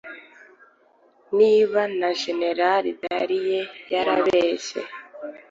niba na jenerali dallaire yarabeshye